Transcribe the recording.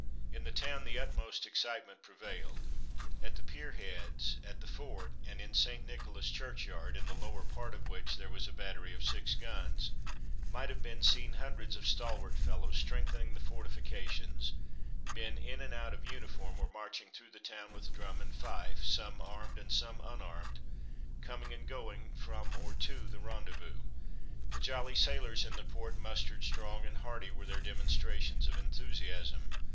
In the town the utmost excitement prevailed. At the Pier Heads, at the Fort, and in St. Nicholas's churchyard (in the lower part of which there was a battery of six guns) might have been seen hundreds of stalwart fellows strengthening the fortifications; men in and out of uniform were marching through the town with drum and fife, some armed and some unarmed, coming and going from or to the rendezvous. The jolly sailors in the port mustered strong, and hearty were their demonstrations of enthusiasm.